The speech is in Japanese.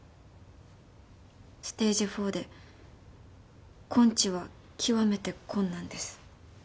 ステージ４で根治は極めて困難です。